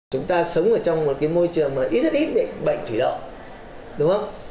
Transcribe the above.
chúng ta sống trong một môi trường ít ít bệnh thủy đậu đúng không